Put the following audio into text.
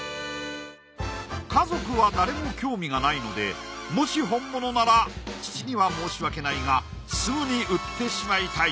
家族は誰も興味がないのでもし本物なら父には申し訳ないがすぐに売ってしまいたい。